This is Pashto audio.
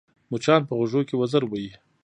مچان په غوږو کې وزر وهي